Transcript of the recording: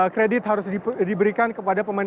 kredit harus diberikan kepada pemain